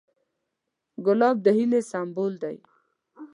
ګلاب د هیلې سمبول دی.